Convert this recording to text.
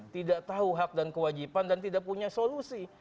tidak tahu hak dan kewajiban dan tidak punya solusi